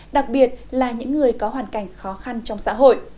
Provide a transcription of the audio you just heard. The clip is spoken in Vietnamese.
đặc biệt là những người có hoàn cảnh khó khăn trong xã hội